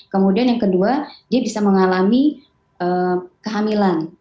kemudian yang kedua dia bisa mengalami kehamilan